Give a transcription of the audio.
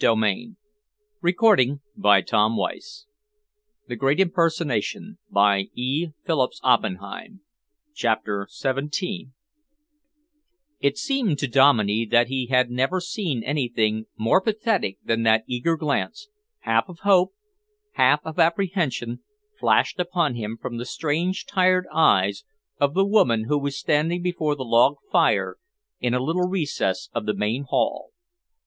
Dominey demanded. "Lady Dominey has returned," was the quiet reply. CHAPTER XVII It seemed to Dominey that he had never seen anything more pathetic than that eager glance, half of hope, half of apprehension, flashed upon him from the strange, tired eyes of the woman who was standing before the log fire in a little recess of the main hall.